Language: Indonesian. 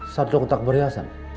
satu kotak perhiasan